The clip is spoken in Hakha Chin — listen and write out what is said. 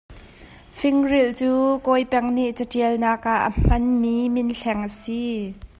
Fingrilh cu Kawipeng nih caṭialnak ah a hmanmi minhleng a si.